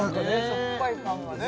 しょっぱいパンがね